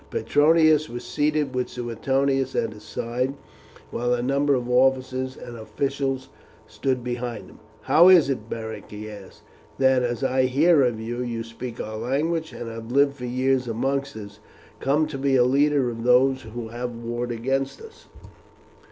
Petronius was seated with Suetonius at his side, while a number of officers and officials stood behind him. "How is it, Beric," he asked, "that, as I hear, you, who speak our language and have lived for years amongst us, come to be a leader of those who have warred against us?"